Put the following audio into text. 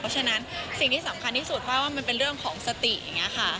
เพราะฉะนั้นสิ่งที่สำคัญที่สุดเพราะว่ามันเป็นเรื่องของสติอย่างนี้ค่ะ